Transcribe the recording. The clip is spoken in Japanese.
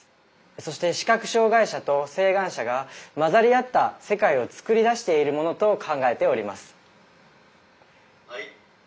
そして視覚障害者と晴眼者が混ざりあった世界を作り出しているものと考えております。